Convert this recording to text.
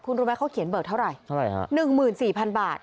คุณรู้ไหมเขาเขียนเบิกเท่าไหร่เท่าไหร่ฮะหนึ่งหมื่นสี่พันบาท